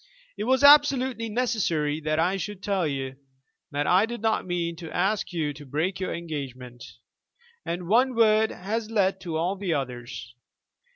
It was absolutely necessary that I should tell you that I did not mean to ask you to break your engagement, and one word has led to all the others.